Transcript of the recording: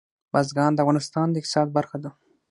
بزګان د افغانستان د اقتصاد برخه ده.